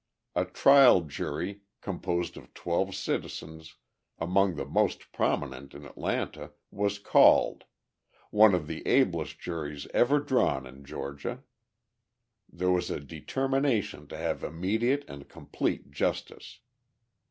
A trial jury, composed of twelve citizens, among the most prominent in Atlanta, was called one of the ablest juries ever drawn in Georgia. There was a determination to have immediate and complete justice.